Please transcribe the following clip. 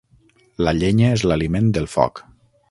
La llenya és l'aliment del foc.